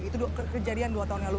itu kejadian dua tahun lalu